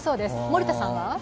森田さんは？